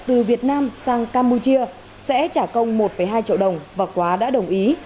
từ việt nam sang campuchia sẽ trả công một hai triệu đồng và quá đã đồng ý